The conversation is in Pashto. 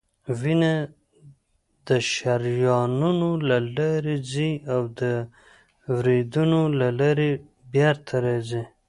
وینه د شریانونو له لارې ځي او د وریدونو له لارې بیرته راځي